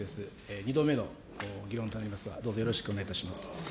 ２度目となりますが、どうぞよろしくお願いします。